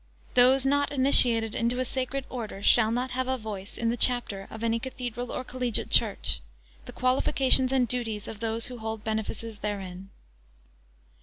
Those not initiated into a sacred Order, shall not have a voice in the chapter of any Cathedral or Collegiate Church. The qualifications and duties of those who hold Benefices therein.